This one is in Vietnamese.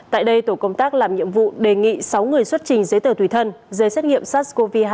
tại đây tổ công tác làm nhiệm vụ đề nghị sáu người xuất trình giấy tờ tùy thân giấy xét nghiệm sars cov hai